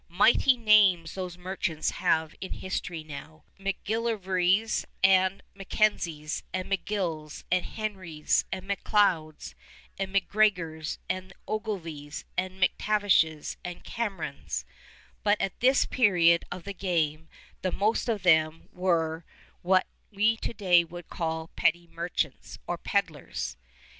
Mighty names those merchants have in history now, McGillivrays and MacKenzies and McGills and Henrys and MacLeods and MacGregors and Ogilvies and MacTavishes and Camerons, but at this period of the game the most of them were what we to day would call petty merchants or peddlers.